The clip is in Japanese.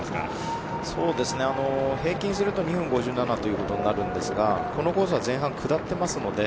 平均すると２分５７ということですがこのコースは前半下っています。